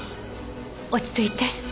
落ち着いて。